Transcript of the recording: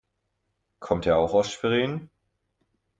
Kommt er auch aus Schwerin?